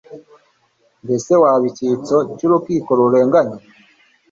mbese waba icyitso cy'urukiko rurenganya